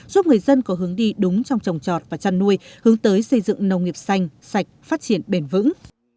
giúp người dân có hướng đi đúng trong trồng trọt và chăn nuôi hướng tới xây dựng nông nghiệp xanh sạch phát triển bền vững